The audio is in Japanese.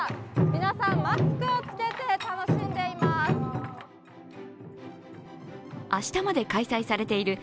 皆さん、マスクをつけて楽しんでいます。